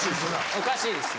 おかしいですね。